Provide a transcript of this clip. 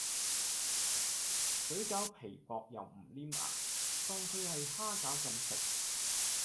水餃皮薄又唔黏牙，當佢喺蝦餃咁食